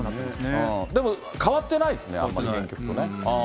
でも変わってないですね、あんまり原曲とね。